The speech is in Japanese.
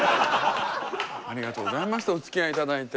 ありがとうございましたおつきあいいただいて。